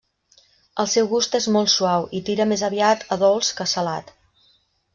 El seu gust és molt suau i tira més aviat a dolç que a salat.